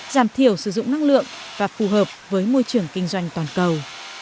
giảm thiểu sử dụng năng lượng và phù hợp với môi trường kinh doanh toàn cầu